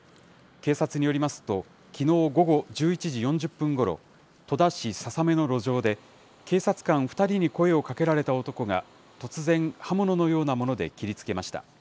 警察によりますと、きのう午後１１時４０分ごろ、戸田市笹目の路上で、警察官２人に声をかけられた男が、突然、刃物のようなもので切りつけました。